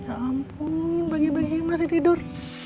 ya ampun pagi pagi masih tidur